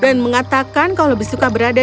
dan mengatakan kau lebih suka berada